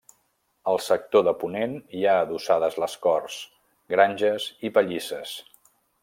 Al sector de ponent hi ha adossades les corts, granges i pallisses.